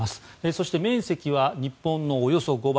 そして面積は日本のおよそ５倍。